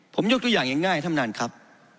ผมยกตัวอย่างง่ายท่านท่านครับ